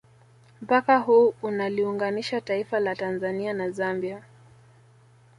Mpaka huu unaliunganisha taifa la Tanzania na Zambia